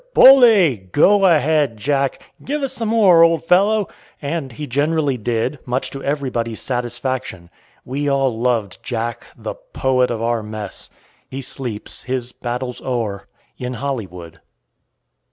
"Bully!" "Go ahead, Jack!" "Give us some more, old fellow!" And he generally did, much to everybody's satisfaction. We all loved Jack, the Poet of our mess. He sleeps, his battles o'er, in Hollywood.